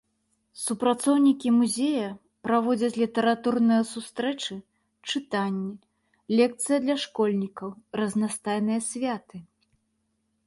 Супрацоўнікі музея праводзяць літаратурныя сустрэчы, чытанні, лекцыі для школьнікаў, разнастайныя святы.